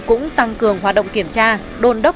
cũng tăng cường hoạt động kiểm tra đồn đốc